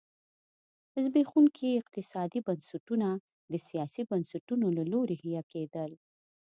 زبېښونکي اقتصادي بنسټونه د سیاسي بنسټونو له لوري حیه کېدل.